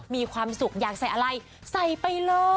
มีความสุขอยากใส่อะไรใส่ไปเลย